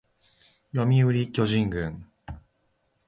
読売巨人軍